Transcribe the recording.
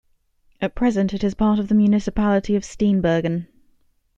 At present it is part of the municipality of Steenbergen.